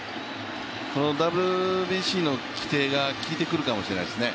ＷＢＣの規定が効いてくるかもしれないですね。